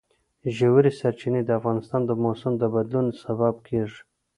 ژورې سرچینې د افغانستان د موسم د بدلون سبب کېږي.